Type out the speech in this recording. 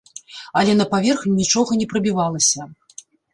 Але на паверхню нічога не прабівалася.